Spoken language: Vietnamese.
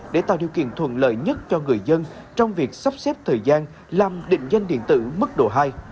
để tạo điều kiện thuận lợi nhất cho người dân trong việc sắp xếp thời gian làm định danh điện tử mức độ hai